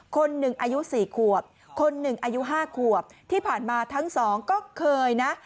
คนหนึ่งอายุสี่ขวบคนหนึ่งอายุ๕ขวบที่ผ่านมาทั้งสองก็เคยนะ